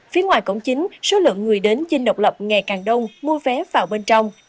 phía ngoài cổng chính số lượng người đến dinh độc lập ngày càng đông mua vé vào bên trong